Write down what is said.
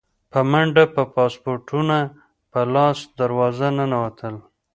په منډه به پاسپورټونه په لاس دروازه ننوتل.